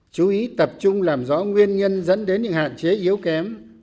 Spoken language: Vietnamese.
chú ý tập trung làm rõ nguyên nhân dẫn đến những hạn chế yếu kém